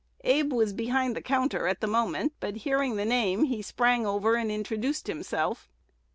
Abe was behind the counter at the moment; but, hearing the name, he sprang over and introduced himself.